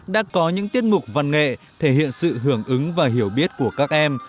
đã có những tiết mục văn nghệ thể hiện sự hưởng ứng và hiểu biết của các em